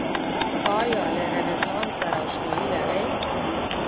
آیا له رنسانس سره اشنایې لرئ؟